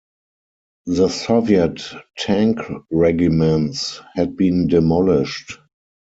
The Soviet tank regiments had been demolished.